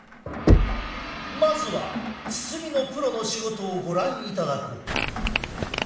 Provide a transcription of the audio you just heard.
まずは包みのプロの仕事をご覧いただこう。